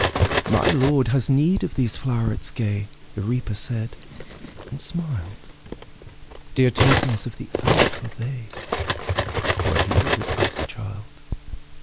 ``My Lord has need of these flowerets gay,'' The Reaper said, and smiled; ``Dear tokens of the earth are they, Where he was once a child.